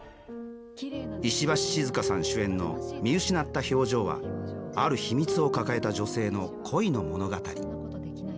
石橋静河さん主演の「見失った表情」はある秘密を抱えた女性の恋の物語。